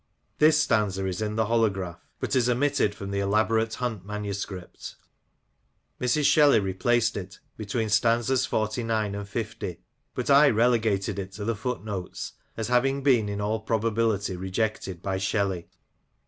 This stanza is in the holograph, but is omitted from the elaborate Hunt manuscript. Mrs. Shelley replaced it between stanzas xlix. and 1. ; but I relegated it to the foot notes, as having been in all probability rejected by Shelley.